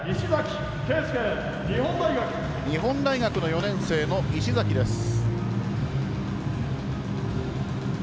日本大学の４年生の石崎です。